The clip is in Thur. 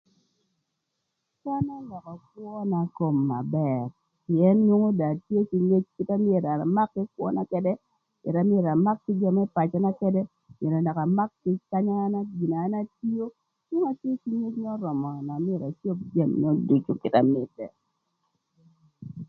Kwan ölökö kwöna kom na bër pïën nwongo dong atye kï ngec na myero amak kï kwöna këdë, kite na myero amak kï jö më pacöna këdë kite myero dök amak tic na an atio jami nön ducu kite na mïtërë.